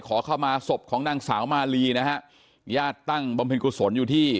ขอเข้ามาศพของนางสาวมาลีนะฮะญาติตั้งบำเพ็ญกุศลอยู่ที่